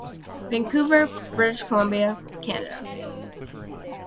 Vancouver, British Columbia, Canada.